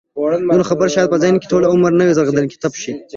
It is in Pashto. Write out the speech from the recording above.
د ځینو خبره شاید په ذهن کې ټوله عمر نه رغېدونکی ټپ شي.